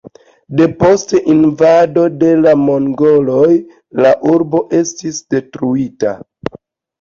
Depost invado de la mongoloj la urbo estis detruita.